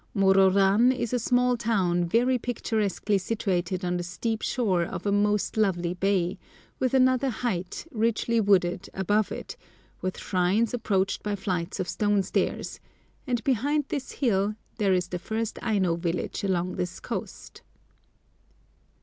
Mororan is a small town very picturesquely situated on the steep shore of a most lovely bay, with another height, richly wooded, above it, with shrines approached by flights of stone stairs, and behind this hill there is the first Aino village along this coast.